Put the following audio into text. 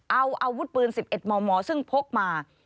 เอาอาวุธปืน๑๑มมซึ่งพกมา